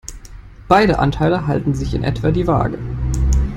Beide Anteile halten sich in etwa die Waage.